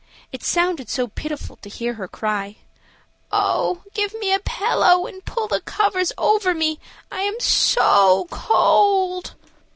It sounded so pitiful to hear her cry: "Oh, give me a pillow and pull the covers over me, I am so cold."